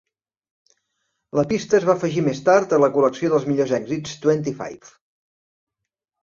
La pista es va afegir més tard a la col·lecció dels millors èxits "Twenty Five".